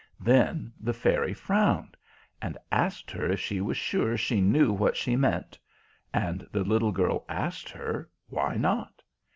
Then the Fairy frowned, and asked her if she was sure she knew what she meant; and the little girl asked her, Why not?